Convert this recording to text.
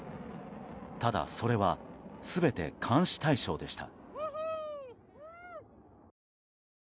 ただ、それは全て監視対象でした。